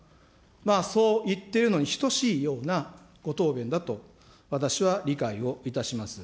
そう言っているのに等しいようなご答弁だと、私は理解をいたします。